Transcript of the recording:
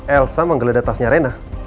elsa menggeledah tasnya rena